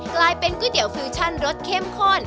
กลายเป็นก๋วยเตี๋ยวฟิลชั่นรสเข้มข้น